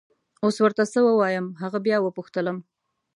اوس ور ته څه ووایم! هغه بیا وپوښتلم.